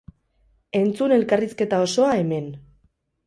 Enztun elkarrizketa osoa hemen!